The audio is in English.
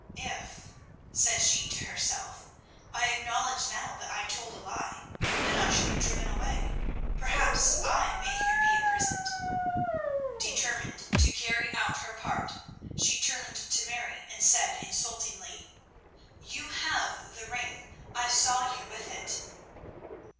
"If," said she to herself, "I acknowledge now that I told a lie, then I shall be driven away. Perhaps I may even be imprisoned." Determined to carry out her part, she turned to Mary and said insultingly "You have the ring; I saw you with it."